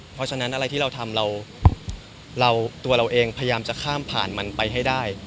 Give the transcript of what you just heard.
เพราะฉะนั้นอะไรที่เราทำเราตัวเราเองพยายามจะข้ามผ่านมันไปให้ได้